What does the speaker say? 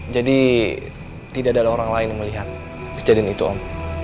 jadi tidak ada orang lain yang melihat kejadian itu om